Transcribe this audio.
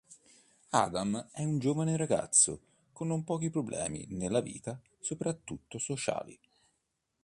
Adam è un giovane ragazzo con non pochi problemi nella vita soprattutto sociali.